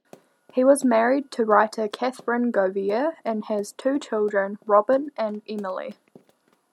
He was married to writer Katherine Govier, and has two children, Robin and Emily.